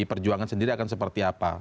pdi perjuangan sendiri akan seperti apa